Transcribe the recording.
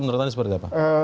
menurut anda seperti apa